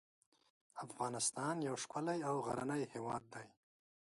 افغانستان یو ښکلی او غرنی هیواد دی .